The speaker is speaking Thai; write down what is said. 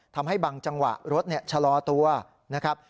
ทำให้บางจังหวะรถชะลอตัวนะครับ